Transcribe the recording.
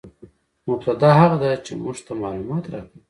مبتداء هغه ده، چي موږ ته معلومات راکوي.